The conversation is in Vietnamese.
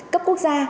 cấp quốc gia